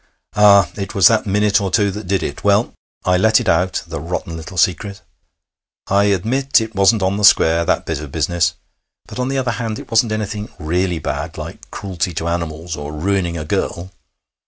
'Ah! It was that minute or two that did it. Well, I let it out, the rotten little secret. I admit it wasn't on the square, that bit of business. But, on the other hand, it wasn't anything really bad like cruelty to animals or ruining a girl.